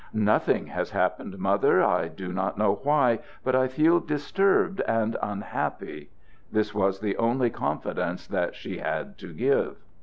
"Nothing has happened, Mother. I do not know why, but I feel disturbed and unhappy." This was the only confidence that she had to give.